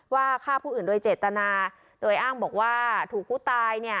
ฆ่าผู้อื่นโดยเจตนาโดยอ้างบอกว่าถูกผู้ตายเนี่ย